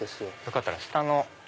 よかったら下の。